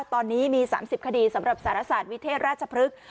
ตอนนี้มี๓๐คดีสำหรับสารศาสตร์วิเทศราชพฤกษ์